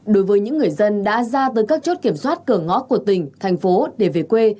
đối với những người dân đã ra tới các chốt kiểm soát cửa ngõ của tỉnh thành phố để về quê